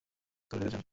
ভেতরে ফিরে যান।